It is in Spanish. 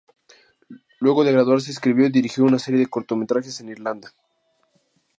Luego de graduarse, escribió y dirigió una serie de cortometrajes en Irlanda.